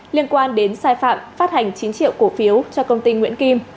liên quan đến sai phạm phát hành chín triệu cổ phiếu cho công ty nguyễn kim